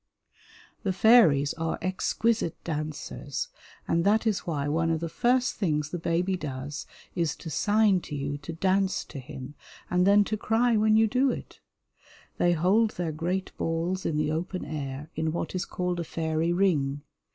The fairies are exquisite dancers, and that is why one of the first things the baby does is to sign to you to dance to him and then to cry when you do it. They hold their great balls in the open air, in what is called a fairy ring.